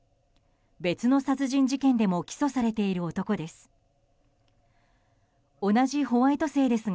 別の殺人事件でも起訴されている男です。